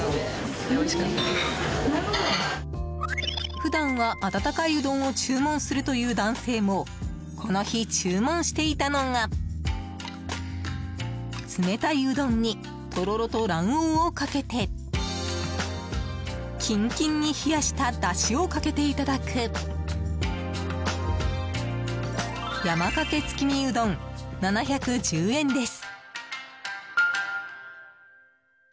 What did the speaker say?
普段は温かいうどんを注文するという男性もこの日、注文していたのが冷たいうどんにとろろと卵黄をかけてキンキンに冷やしただしをかけていただく山かけ月見うどん、７１０円です。